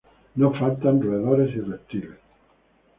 Los roedores y reptiles no faltan.